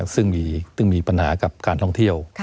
ซึ่งมีปัญหากับการท่องเที่ยว